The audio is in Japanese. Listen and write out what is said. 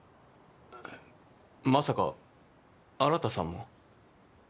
まさか新さんも？